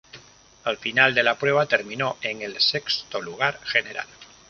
Al final de la prueba terminó en el sexto lugar general.